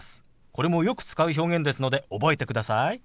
これもよく使う表現ですので覚えてください。